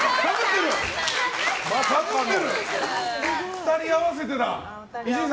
２人合わせてだ！